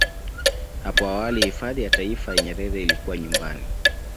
Hapo awali hifadhi ya Taifa ya Nyerere ilikuwa nyumbani